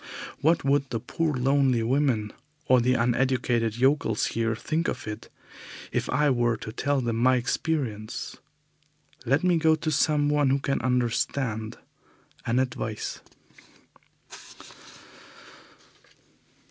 What would the poor lonely women, or the uneducated yokels here think of it if I were to tell them my experience? Let me go to someone who can understand and advise.